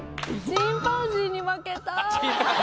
「チンパンジーに負けた」